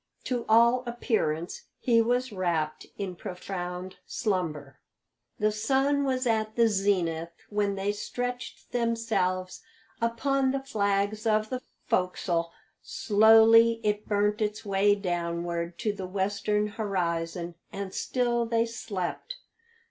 To all appearance he was wrapped in profound slumber. The sun was at the zenith when they stretched themselves upon the flags of the "fo'csle"; slowly it burnt its way downward to the western horizon, and still they slept.